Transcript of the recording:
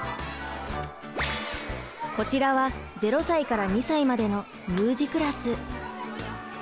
こちらは０歳から２歳までの乳児クラス。